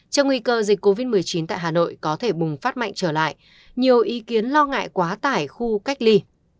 trong nguy cơ dịch covid một mươi chín tại hà nội có thể bùng phát mạnh trở lại nhiều ý kiến lo ngại quá tải khu cách ly